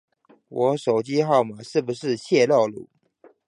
我手機號碼是不是洩露了